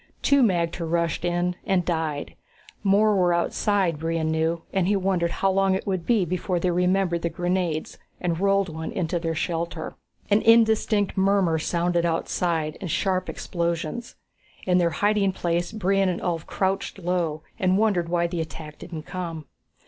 Two magter rushed in, and died. More were outside, Brion knew, and he wondered how long it would be before they remembered the grenades and rolled one into their shelter. An indistinct murmur sounded outside, and sharp explosions. In their hiding place, Brion and Ulv crouched low and wondered why the attack didn't come.